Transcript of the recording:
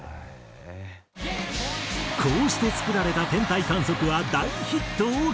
こうして作られた『天体観測』は大ヒットを記録！